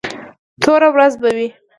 توره ورځ به وي.